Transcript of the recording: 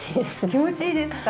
気持ちいいですか？